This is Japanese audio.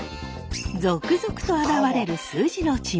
続々と現れる数字の地名。